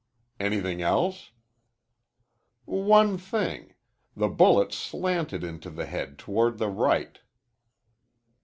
"Anything else?" "One thing. The bullet slanted into the head toward the right."